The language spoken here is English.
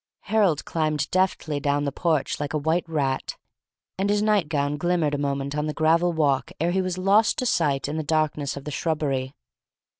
Harold climbed deftly down the porch like a white rat, and his night gown glimmered a moment on the gravel walk ere he was lost to sight in the darkness of the shrubbery.